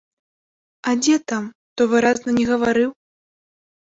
А дзе там, то выразна не гаварыў.